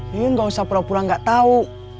yuyun gak usah pura pura gak tau